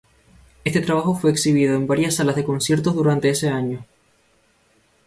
Este trabajo fue exhibido en varias salas de conciertos durante ese año.